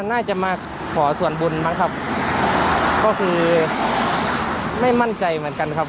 น่าจะมาขอส่วนบุญบ้างครับก็คือไม่มั่นใจเหมือนกันครับ